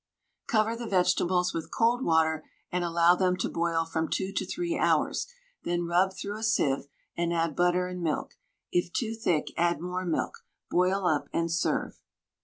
Cover the vegetables with cold water and allow them to boil from 2 to 3 hours, then rub through a sieve and add butter and milk. It too thick, add more milk. Boil up and serve.